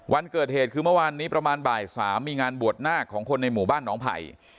วันเกิดเหตุคือเมื่อวานนี้ประมาณบ่าย๓มีงานบวชนาคของคนในหมู่บ้านน้องไผ่